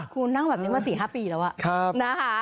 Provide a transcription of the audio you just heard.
คุณนั่งแบบนี้มา๔๕ปีแล้วนะคะ